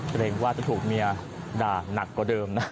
เกรงว่าจะถูกเมียด่านักกว่าเดิมนะ